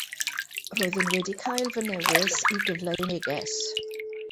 Roeddwn wedi cael fy newis i gyfleu neges.